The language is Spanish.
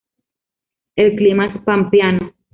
El clima es pampeano.